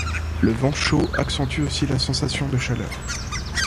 Le vent chaud accentue aussi la sensation de chaleur.